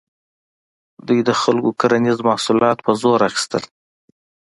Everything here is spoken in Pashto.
دوی د خلکو کرنیز محصولات په زور اخیستل.